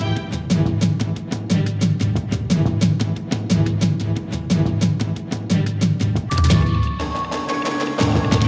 สีหน้าร้องได้หรือว่าร้องผิดครับ